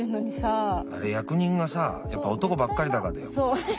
あれ役人がさやっぱ男ばっかりだからだよ。